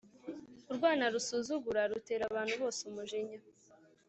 urwana rusuzugura rutera abantu bose umujinya